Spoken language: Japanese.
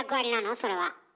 それは。